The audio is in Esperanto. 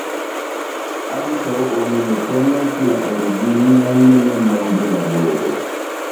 Ankaŭ oni ne konas la originan nomon de la burgo.